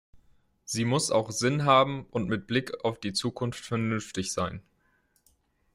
Sie muss auch Sinn haben und mit Blick auf die Zukunft vernünftig sein.